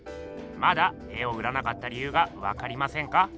まだ絵を売らなかった理ゆうがわかりませんか？